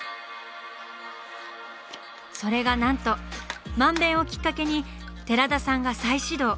それがなんと「漫勉」をきっかけに寺田さんが再始動。